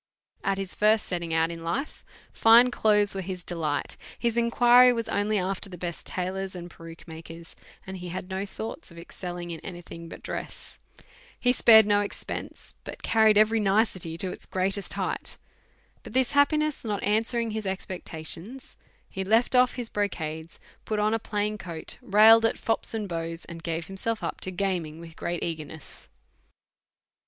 At his first setting out in life, fine clothes were his delight, his inquiry was only after the best tailors and peruke makers, and he had no thoughts of excelling in any thing but dress. He spared no expense, but car ried every nicety to its greatest height. But this hap piness not answering his expectations, he left oif his brocades, put on a plain coat, railed at fops and beaux, and gave himself up to gaming with great ea g erness, DEVOUT AND HOLY LIFE.